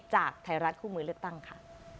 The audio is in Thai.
จากไทยรัฐคู่มือเลือกตั้งค่ะ